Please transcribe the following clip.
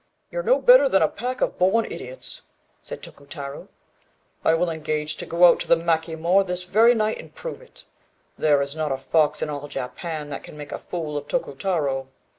"You're no better than a pack of born idiots," said Tokutarô. "I will engage to go out to the Maki Moor this very night and prove it. There is not a fox in all Japan that can make a fool of Tokutarô."